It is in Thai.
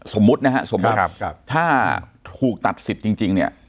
สมมุตินะฮะสมมุติครับครับถ้าถูกตัดสิทธิ์จริงจริงเนี้ย